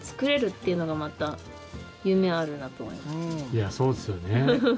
いやそうですよね。